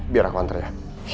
biar aku antar ya